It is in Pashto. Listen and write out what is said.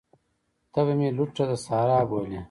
ته به مي لوټه د صحرا بولې